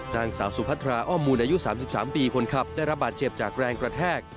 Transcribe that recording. นางสาวสุพัทราอ้อมมูลอายุ๓๓ปีคนขับได้รับบาดเจ็บจากแรงกระแทก